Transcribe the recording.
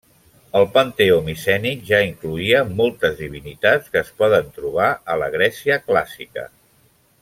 El panteó micènic ja incloïa moltes divinitats que es poden trobar a la Grècia clàssica.